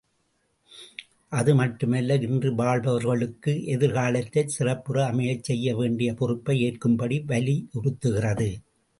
அதுமட்டுமல்ல இன்று வாழ்பவர்களுக்கு எதிர் காலத்தைச் சிறப்புற அமையச் செய்யவேண்டிய பொறுப்பை ஏற்கும்படி வலியுறுத்துகிறது.